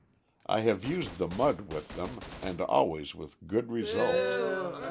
I have used the mud with them, and always with good results.